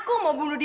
kau mau ngajak